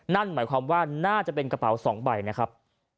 นั่นหมายความว่าน่าจะเป็นกระเป๋า๒ใบนะครับ